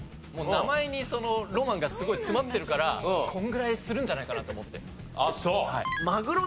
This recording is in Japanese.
名前にロマンがすごい詰まってるからこのぐらいするんじゃないかなと思って。